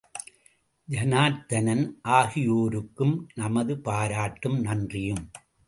ஜனார்த்தனன் ஆகியோருக்கும் நமது பாராட்டும், நன்றியும்!